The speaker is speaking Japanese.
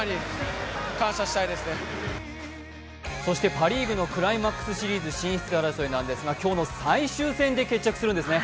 パ・リーグのクライマックスシリーズ進出争いなんですが、今日の最終戦で決着するんですね。